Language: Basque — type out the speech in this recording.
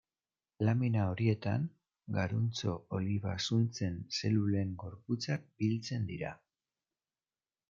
Lamina horietan garuntxo-oliba zuntzen zelulen gorputzak biltzen dira.